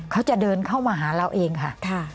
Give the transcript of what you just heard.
เขาจะเดินเข้ามาหาเราเองค่ะ